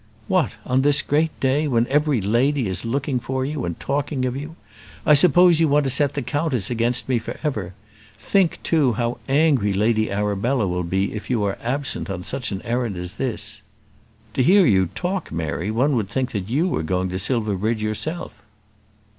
"What! on this great day, when every lady is looking for you, and talking of you. I suppose you want to set the countess against me for ever. Think, too, how angry Lady Arabella will be if you are absent on such an errand as this." "To hear you talk, Mary, one would think that you were going to Silverbridge yourself."